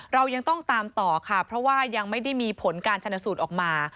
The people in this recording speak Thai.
เรายังต้องตามต่อค่ะเพราะว่ายังไม่ได้มีผลการชนสูตรออกมา